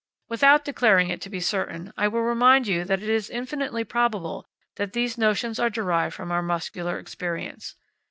Without declaring it to be certain, I will remind you that it is infinitely probable that these notions are derived from our muscular experience.